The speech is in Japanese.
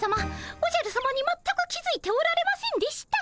おじゃるさまに全く気付いておられませんでした。